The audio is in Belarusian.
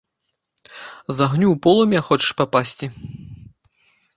З агню ў полымя хочаш папасці?